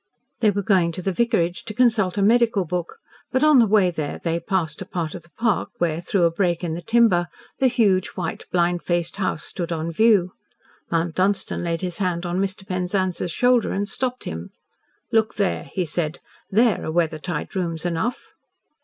They were going to the vicarage to consult a medical book, but on the way there they passed a part of the park where, through a break in the timber the huge, white, blind faced house stood on view. Mount Dunstan laid his hand on Mr. Penzance's shoulder and stopped him, "Look there!" he said. "THERE are weather tight rooms enough."